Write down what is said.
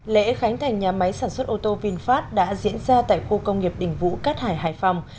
lễ khánh thành nhà máy sản xuất ô tô vinfast đã diễn ra tại khu công nghiệp đình vũ cát hải hải phòng